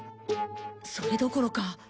それどころか。